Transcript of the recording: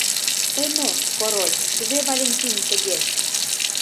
Тый мо, Король, кузе, Валентин, тыге?